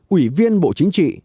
ủy viên bộ chính trị